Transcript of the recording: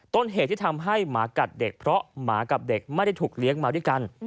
ต้นเหตุที่ทำให้หมากัดเด็กเพราะหมากับเด็กไม่ได้ถูกเลี้ยงมาด้วยกัน